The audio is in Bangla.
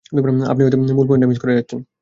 আপনি হয়তো মূল পয়েন্টটা মিস করে যাচ্ছেন।